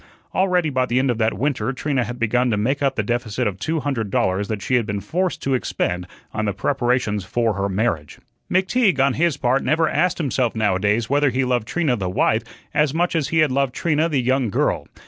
Already by the end of that winter Trina had begun to make up the deficit of two hundred dollars that she had been forced to expend on the preparations for her marriage. McTeague, on his part, never asked himself now a days whether he loved Trina the wife as much as he had loved Trina the young girl.